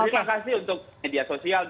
terima kasih untuk media sosial